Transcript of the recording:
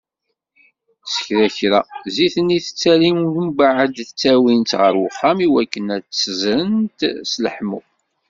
S kra kra, zzit-nni tettali-d umbeεed ttawint-tt γer uxxam i wakken ad tt-zzrent s leḥmu.